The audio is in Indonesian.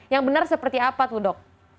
yang benar seperti apa tuh dok